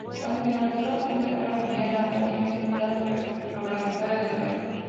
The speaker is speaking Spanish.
Cuando finalizó la Segunda Guerra Mundial, la Academia Estatal fue reorganizada de nuevo.